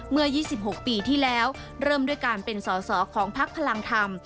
เมื่อ๒๖ปีที่แล้วเริ่มด้วยการเป็นสอสอของพักพลังธรรม